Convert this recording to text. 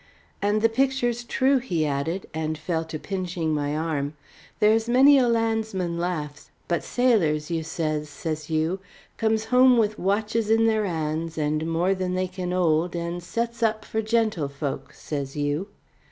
"And the picture's true," he added, and fell to pinching my arm. "There's many a landsman laughs; but sailors, you says, says you, 'comes home with watches in their 'ands more than they can 'old and sets up for gentle folk,' says you."